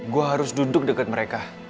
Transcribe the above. gue harus duduk dekat mereka